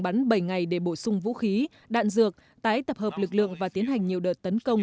bắn bảy ngày để bổ sung vũ khí đạn dược tái tập hợp lực lượng và tiến hành nhiều đợt tấn công